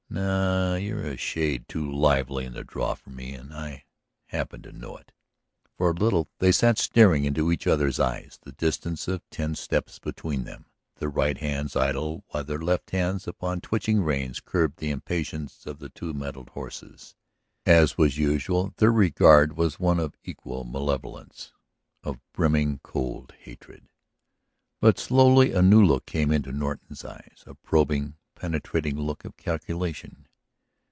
No, you're a shade too lively in the draw for me and I happen to know it." For a little they sat staring into each other's eyes, the distance of ten steps between them, their right hands idle while their left hands upon twitching reins curbed the impatience of two mettled horses. As was usual their regard was one of equal malevolence, of brimming, cold hatred. But slowly a new look came into Norton's eyes, a probing, penetrating look of calculation.